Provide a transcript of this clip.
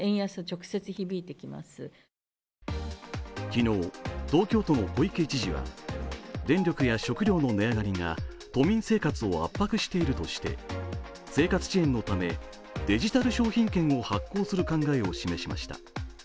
昨日、東京都の小池知事は電力や食料の値上げが都民生活を圧迫しているとして生活支援のためデジタル商品券を発行する考えを示しました。